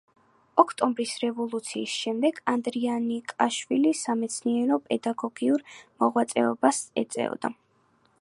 ოქტომბრის რევოლუციის შემდეგ ანდრონიკაშვილი სამეცნიერო-პედაგოგიურ მოღვაწეობას ეწეოდა.